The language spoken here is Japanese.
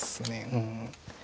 うん。